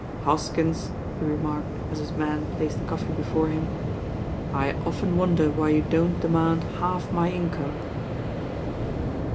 "Hoskins," he remarked, as his man placed the coffee before him, "I often wonder why you don't demand half my income."